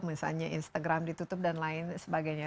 misalnya instagram ditutup dan lain sebagainya